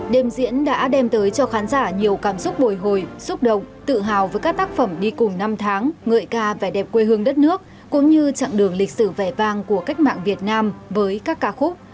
đêm diễn đã đem tới cho khán giả nhiều cảm xúc bồi hồi xúc động tự hào với các tác phẩm đi cùng năm tháng ngợi ca vẻ đẹp quê hương đất nước cũng như chặng đường lịch sử vẻ vang của cách mạng việt nam với các ca khúc